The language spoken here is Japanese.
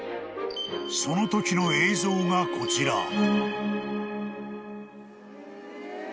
［そのときの映像がこちら］